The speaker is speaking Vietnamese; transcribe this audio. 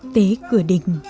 tế cửa đỉnh